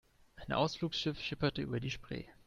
Ein Ausflugsschiff schipperte über die Spree.